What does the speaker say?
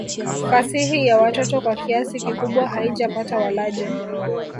Fasihi ya watoto kwa kiasi kikubwa haijapata walaji.